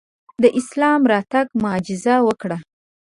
د اسلام راتګ معجزه وکړه.